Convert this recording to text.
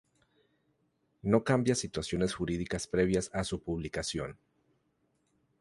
No cambia situaciones jurídicas previas a su publicación.